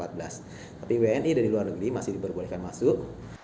tapi wni dari luar negeri masih diperbolehkan masuk